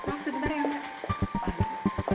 maaf sebentar ya mbak